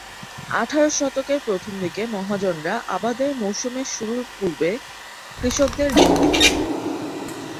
আঠারো শতকের প্রথম দিকে মহাজনরা আবাদের মৌসুম শুরুর পূর্বে কৃষকদের ঋণ দিত।